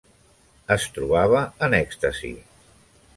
Es trobava en èxtasi.